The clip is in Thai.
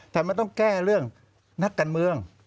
แต่มันต้องแก้เรื่องนักการเมือง